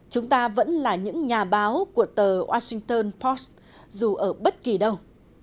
chúng ta vẫn là những nhà báo của tờ washington post dù ở bất kỳ đâu